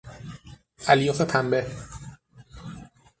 الیاف پنبه